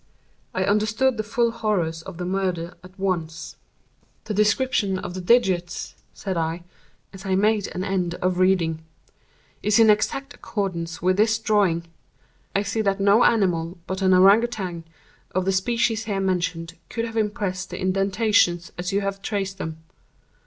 I understood the full horrors of the murder at once. "The description of the digits," said I, as I made an end of reading, "is in exact accordance with this drawing. I see that no animal but an Ourang Outang, of the species here mentioned, could have impressed the indentations as you have traced them.